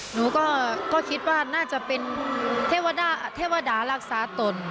หนูก็คิดว่าน่าจะเป็นเทวดาเทวดารักษาตน